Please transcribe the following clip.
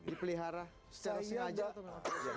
dipelihara secara sengaja atau